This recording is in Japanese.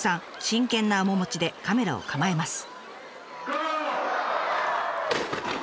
真剣な面持ちでカメラを構えます。